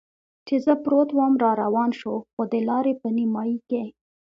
چې زه پروت ووم را روان شو، خو د لارې په نیمایي کې.